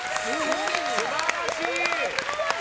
素晴らしい！